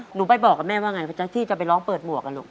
หนูไปบอกกับแม่ว่าไงพี่แจ๊คที่จะไปร้องเปิดหมวกอ่ะลูก